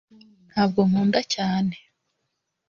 ntabwo ngukunda cyane